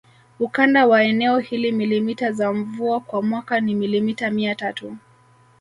Ukanda wa eneo hili milimita za mvua kwa mwaka ni milimita mia tatu